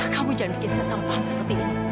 kamu jangan bikin saya sampaikan seperti ini